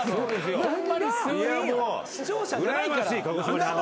視聴者じゃないから。